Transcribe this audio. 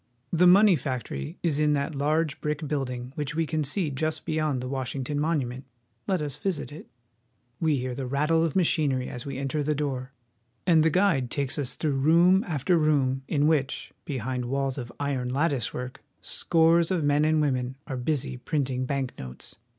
The money factory is in that large brick building which we can see just be yond the Washington Monument. Let us visit it. We hear the rattle of the machinery as we enter the door, and the guide takes us through room after room in which, behind walls of iron latticework, scores of men and Interior of the Treasury Vaults. THE TREASURY DEPARTMENT. 41 women are busy printing bank notes.